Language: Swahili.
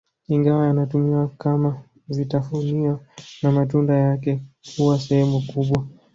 Ingawa yanatumiwa kama vitafunio na matunda yake huwa sehemu kubwa